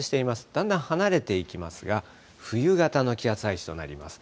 だんだん離れていきますが、冬型の気圧配置となります。